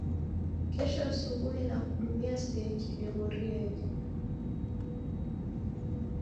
Kesho asubuhi nikudumia seji deghorieghe